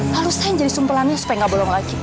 lalu saya yang jadi sumpelannya supaya gak bolong lagi